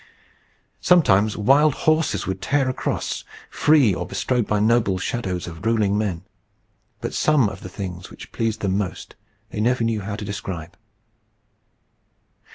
Sometimes wild horses would tear across, free, or bestrode by noble shadows of ruling men. But some of the things which pleased them most they never knew how to describe.